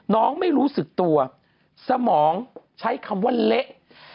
ไม่รู้สึกตัวสมองใช้คำว่าเละ